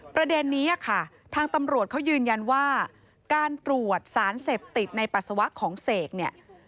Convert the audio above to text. ประเด็นนี้ค่ะทางตำรวจเขายืนยันว่าการตรวจสารเสพติดในปัสสาวะของเสกเนี่ย